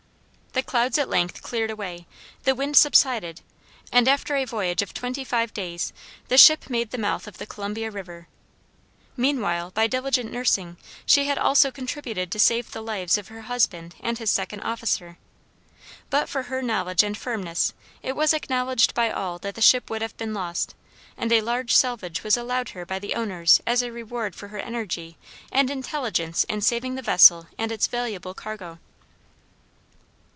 The clouds at length cleared away, the wind subsided, and after a voyage of twenty five days, the ship made the mouth of the Columbia River. Meanwhile by diligent nursing she had also contributed to save the lives of her husband and his second officer. But for her knowledge and firmness it was acknowledged by all that the ship would have been lost; and a large salvage was allowed her by the owners as a reward for her energy and intelligence in saving the vessel and its valuable cargo.